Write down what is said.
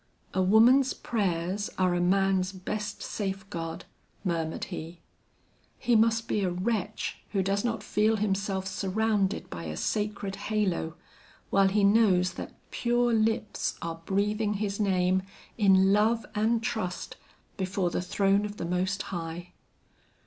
"A woman's prayers are a man's best safeguard," murmured he. "He must be a wretch who does not feel himself surrounded by a sacred halo, while he knows that pure lips are breathing his name in love and trust before the throne of the Most High."